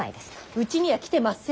うちには来てません！